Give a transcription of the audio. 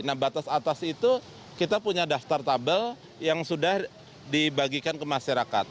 nah batas atas itu kita punya daftar tabel yang sudah dibagikan ke masyarakat